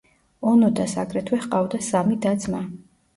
ონოდას აგრეთვე ჰყავდა სამი და-ძმა.